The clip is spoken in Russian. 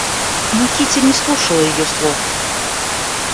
Но Кити не слушала ее слов.